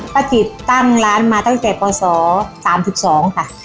จิตตั้งร้านมาตั้งแต่ปศ๓๒ค่ะ